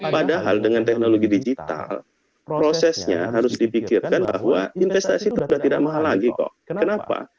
padahal dengan teknologi digital prosesnya harus dipikirkan bahwa investasi itu sudah tidak mahal lagi kok kenapa